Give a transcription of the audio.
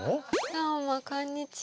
どうもこんにちは。